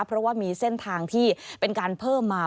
เพราะว่ามีเส้นทางที่เป็นการเพิ่มมา